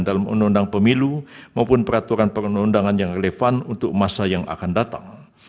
dalam undang undang pemilu maupun peraturan perundangan yang relevan untuk masa yang akan datang